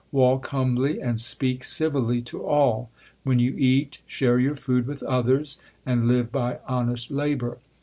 Walk humbly and speak civilly to all. When you eat, share your food with others, and live by honest labour.